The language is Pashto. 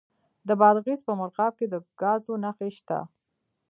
د بادغیس په مرغاب کې د ګازو نښې شته.